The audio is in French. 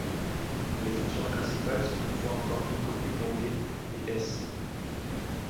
Les fonctions principales sont toutefois encore méconnues pour les et s.